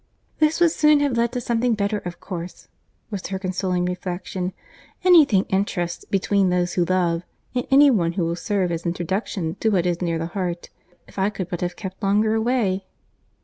"This would soon have led to something better, of course," was her consoling reflection; "any thing interests between those who love; and any thing will serve as introduction to what is near the heart. If I could but have kept longer away!"